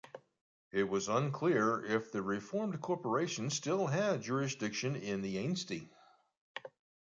It was unclear if the reformed corporation still had jurisdiction in the Ainsty.